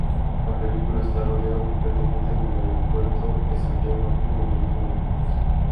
La película está rodada completamente en el Aeropuerto de Santiago Arturo Merino Benítez.